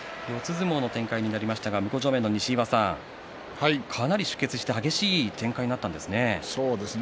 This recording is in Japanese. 相撲の展開になりましたが向正面の西岩さんかなり出血して激しい展開になりましたね。